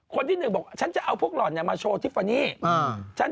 คนที่หนึบจะเอาพวกหลอนมาโชว์ทิฟาเนี่ย